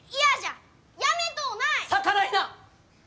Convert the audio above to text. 逆らいな！